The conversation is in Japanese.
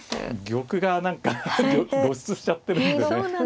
玉が何か露出しちゃってるんでね。